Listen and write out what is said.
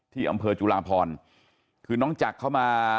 ที่อำเภอจุลาพรคือน้องจักรเข้ามา